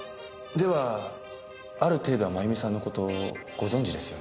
ではある程度は真弓さんの事ご存じですよね？